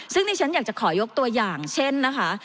ซึ่งดิฉันอยากจะขอยกตัวอย่างเช่นนะคะ